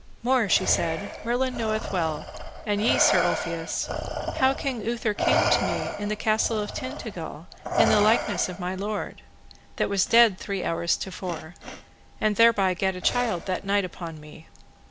More, she said, Merlin knoweth well, and ye Sir Ulfius, how King Uther came to me in the Castle of Tintagil in the likeness of my lord, that was dead three hours to fore, and thereby gat a child that night upon me.